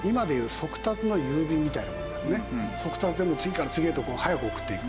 速達でもう次から次へと早く送っていく。